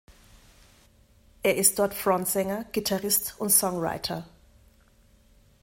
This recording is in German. Er ist dort Frontsänger, Gitarrist und Songwriter.